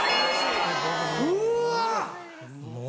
うわ！